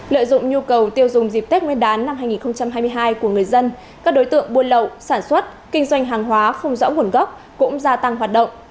lợi dụng nhu cầu tiêu dùng dịp tết nguyên đán năm hai nghìn hai mươi hai của người dân các đối tượng buôn lậu sản xuất kinh doanh hàng hóa không rõ nguồn gốc cũng gia tăng hoạt động